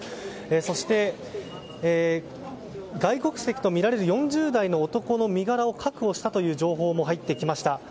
そして外国籍とみられる４０代の男の身柄を確保したという情報も入ってきました。